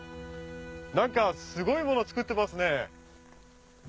何かすごいもの作ってますね。